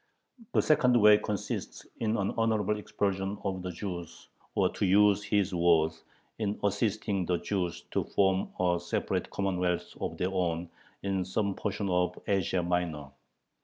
The second way consists in an honorable expulsion of the Jews or, to use his words, "in assisting the Jews to form a separate commonwealth of their own in some portion of Asia Minor."